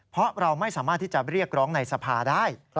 เพราะเราไม่สามารถที่จะเรียกร้องในสภาได้